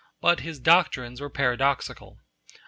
But his doctrines were paradoxical.'